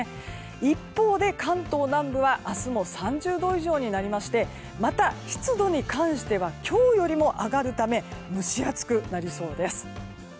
一方で、関東南部は明日も３０度以上になりましてまた、湿度に関しては今日よりも上がるため蒸し暑くなりそうです。